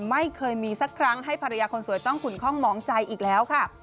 ไม่เคยมีสักครั้งให้ภรรยาคนสวยต้องขุนคล่องหมองใจอีกแล้วค่ะ